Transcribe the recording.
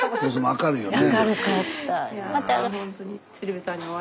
明るかった。